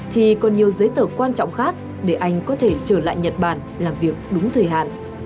thì còn nhiều giấy tờ quan trọng khác để anh có thể trở lại nhật bản làm việc đúng thời hạn